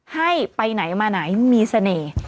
ให้ไปไหนมาไหนมีเสน่ห์